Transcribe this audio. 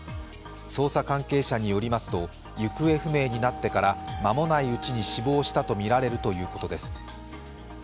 捜査関係者によりますと、行方不明になってから間もないうちに死亡したとみられるということです。